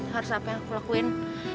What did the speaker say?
harus apa yang aku lakuin